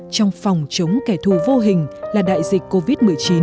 trong phòng chống kẻ thù vô hình là đại dịch covid một mươi chín